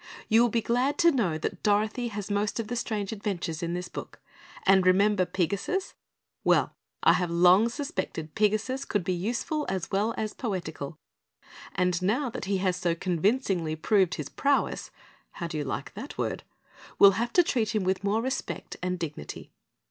_ _You will be glad to know that Dorothy has most of the strange adventures in this book and remember Pigasus? Well, I have long suspected Pigasus could be useful as well as poetical, and now that he has so convincingly proved his prowess (how do you like THAT word?) we'll have to treat him with more respect and dignity.